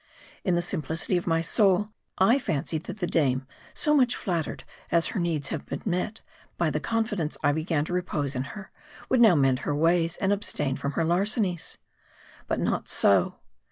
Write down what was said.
In the simplicity of my soul, I fancied that the dame, so much flattered as she needs must have been, by the confidence I began to repose in her, would now mend her ways, and abstain from her larcenies. But not so.